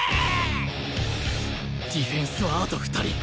ディフェンスはあと２人